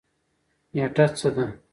نیټه څه ده؟